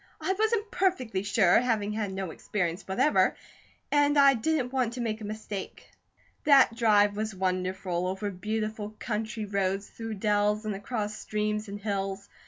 "I wasn't perfectly sure, having had no experience whatever, and I didn't want to make a mistake." That drive was wonderful, over beautiful country roads, through dells, and across streams and hills.